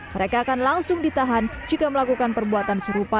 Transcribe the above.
mereka akan langsung ditahan jika melakukan perbuatan serupa